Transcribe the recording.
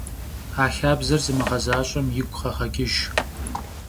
А хабзэр зымыгъэзащӀэм игу къэгъэкӀыж.